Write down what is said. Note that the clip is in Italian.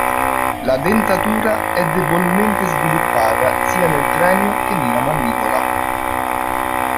La dentatura è debolmente sviluppata sia nel cranio che nella mandibola.